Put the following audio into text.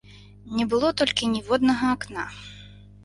Не было толькі ніводнага акна.